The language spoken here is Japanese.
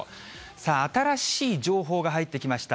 さあ、新しい情報が入ってきました。